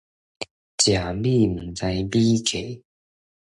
食米毋知米價